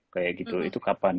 kayak gitu itu kapan